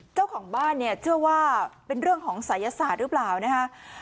เจ้าของบ้านเนี่ยเชื่อว่าเป็นเรื่องของศัยศาสตร์หรือเปล่านะคะ